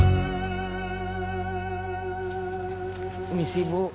ini sih ibu